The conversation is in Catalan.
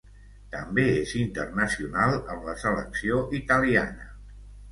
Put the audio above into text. També és internacional amb la selecció italiana.